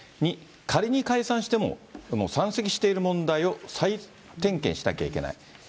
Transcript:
２、仮に解散しても、山積している問題を再点検しなきゃいけない。